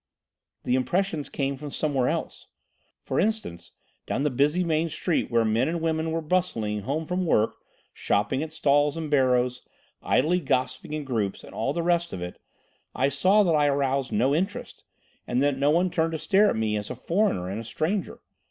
"The impressions came from somewhere else. For instance, down the busy main street where men and women were bustling home from work, shopping at stalls and barrows, idly gossiping in groups, and all the rest of it, I saw that I aroused no interest and that no one turned to stare at me as a foreigner and stranger.